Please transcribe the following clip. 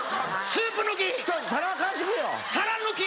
スープ抜き！